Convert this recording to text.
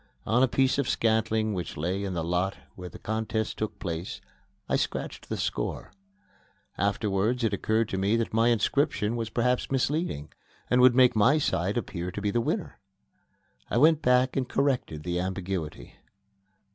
On a piece of scantling which lay in the lot where the contest took place, I scratched the score. Afterwards it occurred to me that my inscription was perhaps misleading and would make my side appear to be the winner. I went back and corrected the ambiguity.